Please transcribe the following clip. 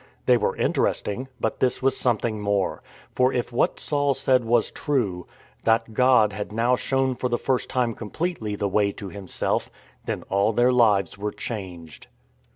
They were interesting, but this was something more — for if what Saul said was true, that God had now shown for the first time completely the Way to Himself, then all their lives were changed.